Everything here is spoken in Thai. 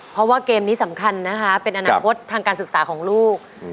เพราะว่าเกมนี้สำคัญนะคะเป็นอนาคตทางการศึกษาของลูก